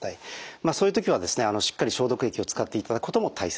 そういう時はしっかり消毒液を使っていただくことも大切です。